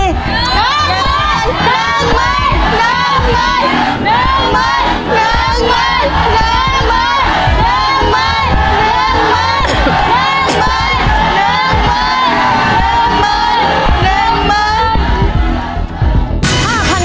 ๑หมื่น